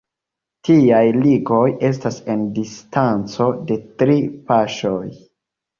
Tiaj ligoj estas en distanco de tri paŝoj.